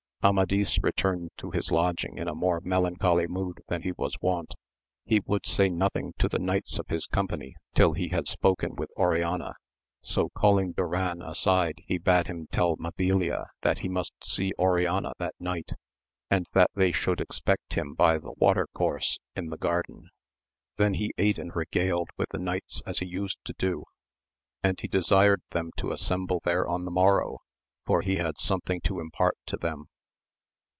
Amadis returned to his lodging in a more melan choly mood than he was wont, he would say nothing to the knights of his company till he had spoken with Oriana, so, calling Duran aside, he bade him tell Mabilia that he must see Oriana that night, and that they should expect him by the water course in the garden. Then he ate and regaled with the knights as he used to do, and he desired them to assemble there on the morrow, for he had something to impart to them.